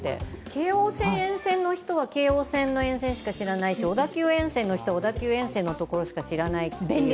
京王線沿線の人は、京王線沿線しか知らないし小田急沿線の人は小田急沿線しか知らない。